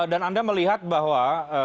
dan anda melihat bahwa